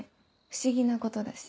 不思議なことだし。